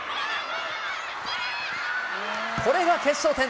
これが決勝点。